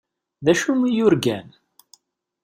D acu i yurgan?